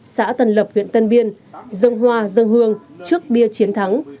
xã tân lập huyện tân biên dân hoa dân hương trước bia chiến thắng